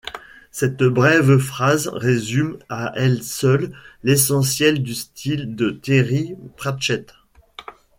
Cette brève phrase résume à elle seule l'essentiel du style de Terry Pratchett.